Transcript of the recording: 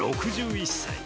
６１歳。